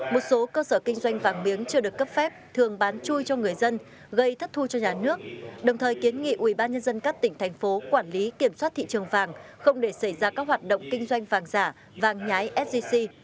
một số cơ sở kinh doanh vàng miếng chưa được cấp phép thường bán chui cho người dân gây thất thu cho nhà nước đồng thời kiến nghị ubnd các tỉnh thành phố quản lý kiểm soát thị trường vàng không để xảy ra các hoạt động kinh doanh vàng giả vàng nhái sgc